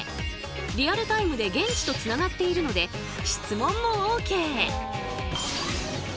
リアルタイムで現地とつながっているので質問もＯＫ！